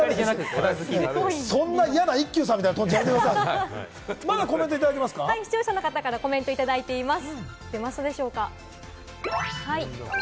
そんな嫌な一休さんみたいな視聴者の方からコメントいただいています。